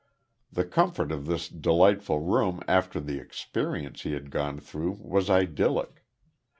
The comfort of this delightful room after the experience he had gone through was idyllic.